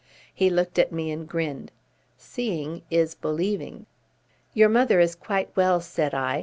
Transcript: He looked at me and grinned. "Seeing is believing." "Your mother is quite well," said I.